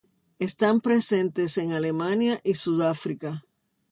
Están presentes en Alemania y Sudáfrica.